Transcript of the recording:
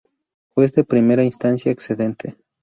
Juez de Primera Instancia excedente.